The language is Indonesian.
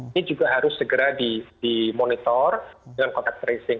ini juga harus segera dimonitor dengan kontak tracing